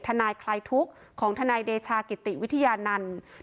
ทนายคลายทุกข์ของทนายเดชากิติวิทยานันต์